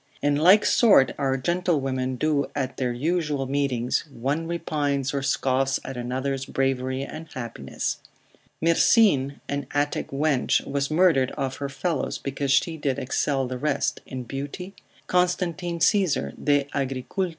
In like sort our gentlewomen do at their usual meetings, one repines or scoffs at another's bravery and happiness. Myrsine, an Attic wench, was murdered of her fellows, because she did excel the rest in beauty, Constantine, Agricult.